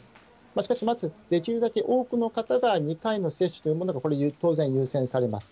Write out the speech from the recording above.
しかし、まずできるだけ多くの方が２回の接種というものがこれ、当然優先されます。